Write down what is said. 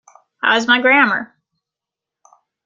How is my grammar?